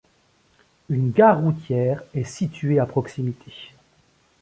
Une gare routière est située à proximité.